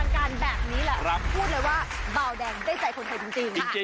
การแบบนี้แหละพูดเลยว่าเบาแดงได้ใจคนไทยจริง